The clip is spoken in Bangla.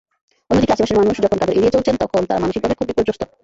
অন্যদিকে আশপাশের মানুষ যখন তাঁদের এড়িয়ে চলছেন, তখন তাঁরা মানসিকভাবে খুব বিপর্যস্ত।